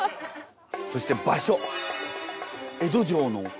そして場所。